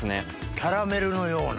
キャラメルのような。